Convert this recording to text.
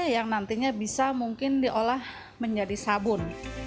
yang nantinya bisa mungkin diolah menjadi sabun